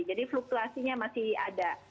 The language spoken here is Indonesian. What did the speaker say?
jadi fluktuasinya masih ada